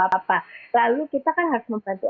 apa apa lalu kita kan harus membantu